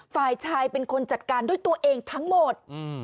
ฝ่ายชายเป็นคนจัดการด้วยตัวเองทั้งหมด